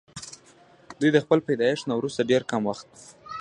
دوي د خپل پيدائش نه وروستو ډېر کم وخت